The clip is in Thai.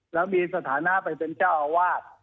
แล้วมีสถานะไปเป็นเจ้าอาวาส